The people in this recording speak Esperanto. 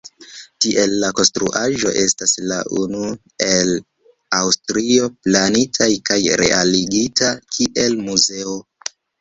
Tiel la konstruaĵo estas la una en Aŭstrio planita kaj realigita kiel muzeo.